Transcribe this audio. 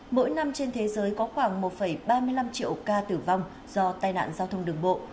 mỗi năm trên thế giới có khoảng một ba mươi năm triệu ca tử vong do tai nạn giao thông đường bộ